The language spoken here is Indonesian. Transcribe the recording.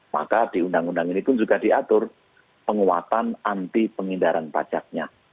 maka di undang undang ini pun juga diatur penguatan anti pengindaran pajaknya